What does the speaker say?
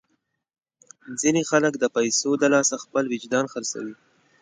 ځینې خلک د پیسو د لاسه خپل وجدان خرڅوي.